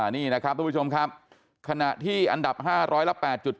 นี่นะครับทุกผู้ชมครับขณะที่อันดับ๕ร้อยละ๘๗